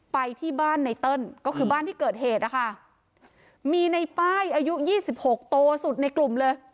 ไปที่บ้านไนเติ้ลก็คือบ้านที่เกิดเหตุนะคะมีในป้ายอายุ๒๖โตสุดในกลุ่มเลย